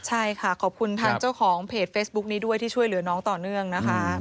ใช่ค่ะขอบคุณทางเจ้าของเพจเฟซบุ๊คนี้ด้วยที่ช่วยเหลือน้องต่อเนื่องนะคะ